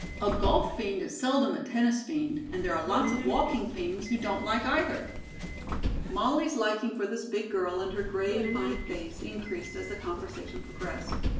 A golf fiend is seldom a tennis fiend, and there are lots of walking fiends who don't like either." Molly's liking for this big girl and her grave, fine face increased as the conversation progressed.